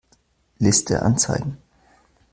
Liste anzeigen.